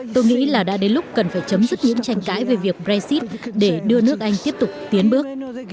tôi nghĩ là đã đến lúc cần phải chấm dứt những tranh cãi về việc brexit để đưa nước anh tiếp tục tiến bước